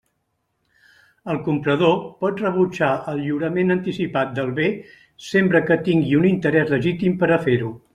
El comprador pot rebutjar el lliurament anticipat del bé sempre que tingui un interès legítim per a fer-ho.